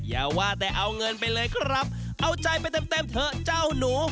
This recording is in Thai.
อย่าว่าแต่เอาเงินไปเลยครับเอาใจไปเต็มเต็มเถอะเจ้าหนู